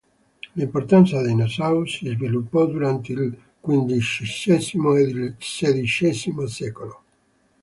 L'importanza dei Nassau si sviluppò durante il quindicesimo ed il sedicesimo secolo.